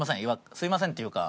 すみませんっていうか。